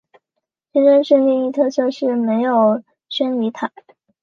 清真寺另一特色是没有宣礼塔。